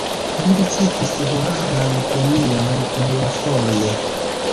Li ricevis hungaran premion unuafoje.